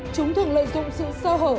chúng thường lợi dụng sự sơ hở